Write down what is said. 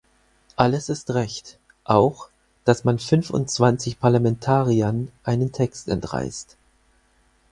Alles ist recht, auch, dass man fünfundzwanzig Parlamentariern einen Text entreißt.